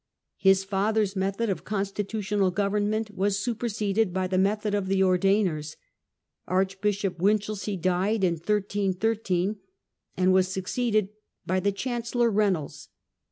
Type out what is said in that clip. His father's method of constitutional government was super seded by the method of the Ordainers. Archbishop Winchelsey died in 13 13, and was succeeded by the Chancellor Reynolds.